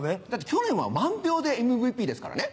去年は満票でＭＶＰですからね。